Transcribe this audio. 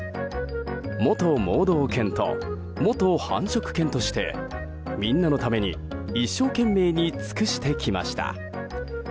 元盲導犬と元繁殖犬としてみんなのために一生懸命に尽くしてきました。